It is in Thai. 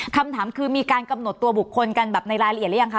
คำถามคือมีการกำหนดตัวบุคคลกันแบบในรายละเอียดหรือยังคะ